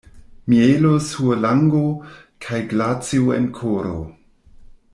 Mielo sur lango, kaj glacio en koro.